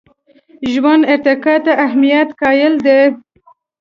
ژوند ارتقا ته اهمیت قایل دی.